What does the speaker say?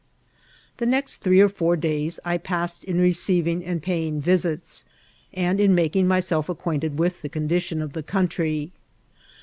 The next three or four days I passed ia receding and pajring visits, and in making myself aoqnainted with the condition of the oountry.